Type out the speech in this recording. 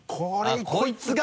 こいつか。